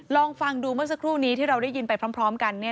ลองฟังดูเมื่อสักครู่นี้ที่เราได้ยินไปพร้อมกัน